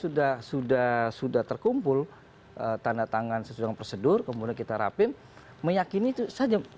sudah sudah sudah terkumpul tanda tangan sesudah prosedur kemudian kita rapin meyakini itu saja